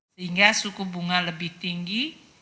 sehingga suku bunga lebih tinggi